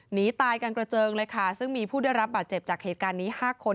หนีตายกันกระเจิงเลยค่ะซึ่งมีผู้ได้รับบาดเจ็บจากเหตุการณ์นี้๕คน